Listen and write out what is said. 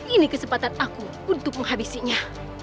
ini kesempatan aku untuk menghabisinya